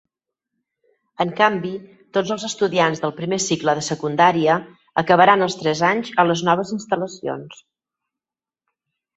En canvi, tots els estudiants del primer cicle de secundària acabaran els tres anys a les noves instal·lacions.